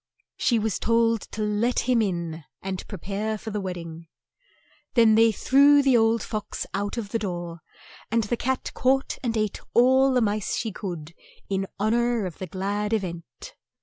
She was told to let him in and pre pare for the wed ding. Then they threw the old fox out of the door, and the cat caught and ate all the mice she could in hon or of the glad e vent.